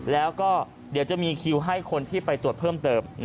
แล้วก็เดี๋ยวจะมีคิวให้คนที่ไปตรวจเพิ่มเติม